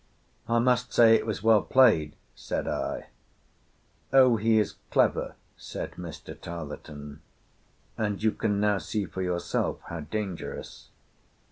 "I must say it was well played, said I. "O! he is clever," said Mr. Tarleton, "and you can now see for yourself how dangerous.